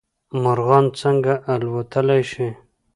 مرغان څنګه الوتلی شي؟